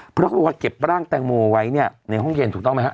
เพราะเขาบอกว่าเก็บร่างแตงโมไว้เนี่ยในห้องเย็นถูกต้องไหมครับ